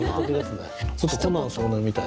ちょっとコナン少年みたいだから。